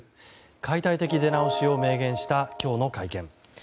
解体的出直しを明言した今日の会見。